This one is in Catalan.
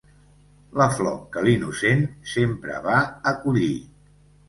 La flor que l'innocent sempre va a collir.